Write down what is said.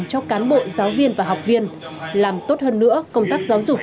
cho cán bộ giáo viên và học viên làm tốt hơn nữa công tác giáo dục